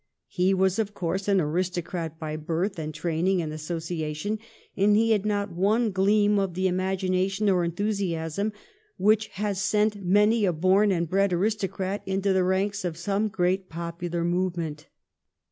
He was, of course, an aristocrat by birth and training and association, and he had not one gleam of the imagination or the enthusiasm which has sent many a born and bred aristocrat into the ranks of some great popular movement.